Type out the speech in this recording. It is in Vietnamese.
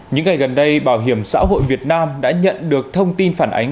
những ngày gần đây bảo hiểm xã hội việt nam đã nhận được thông tin phản ánh